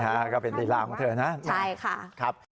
นะฮะก็เป็นฤทธิ์ลาวของเธอนะใช่ค่ะครับ